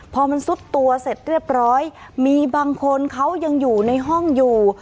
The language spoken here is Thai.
พอมันซุดตัวเสร็จเรียบร้อยมีบางคนเขายังอยู่ในห้องอยู่